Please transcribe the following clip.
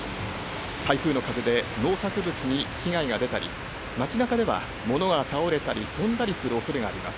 台風の風で農作物に被害が出たり、街なかではものが倒れたり飛んだりするおそれがあります。